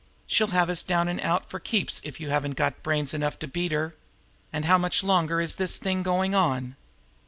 She'll have us down and out for keeps if you haven't got brains enough to beat her. How much longer is this thing going on?"